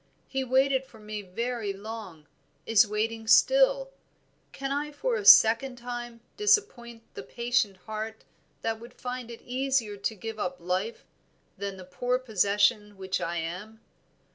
He waited for me very long, is waiting still; can I for a second time disappoint the patient heart that would find it easier to give up life than the poor possession which I am?